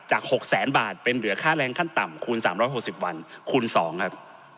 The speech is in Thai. ๖แสนบาทเป็นเหลือค่าแรงขั้นต่ำคูณ๓๖๐วันคูณ๒ครับ